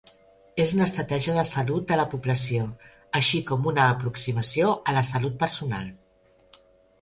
És una estratègia de salut de la població, així com una aproximació a la salut personal.